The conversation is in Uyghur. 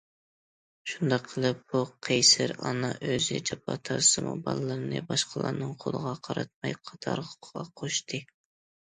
شۇنداق قىلىپ بۇ قەيسەر ئانا ئۆزى جاپا تارتسىمۇ بالىلىرىنى باشقىلارنىڭ قولىغا قاراتماي قاتارغا قوشتى.